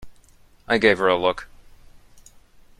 I gave her a look.